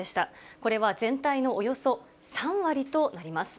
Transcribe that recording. これは全体のおよそ３割となります。